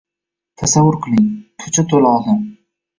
Tasavvur qiling, ko‘cha to‘la odam.